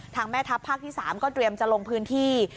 แม่ทัพภาคที่๓ก็เตรียมจะลงพื้นที่